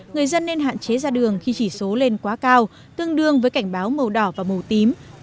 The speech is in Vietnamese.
người dân nên hạn chế ra đường khi chỉ số lên quá cao tương đương với cảnh báo màu đỏ và màu tím